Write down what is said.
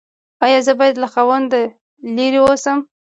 ایا زه باید له خاوند لرې اوسم؟